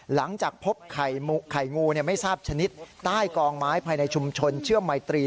หลังจากพบไข่งูไม่ทราบชนิดใต้กองไม้ภายในชุมชนเชื่อมไมตรี